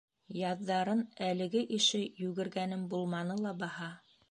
Яҙҙарын әлеге ише йүгергәнем булманы ла баһа.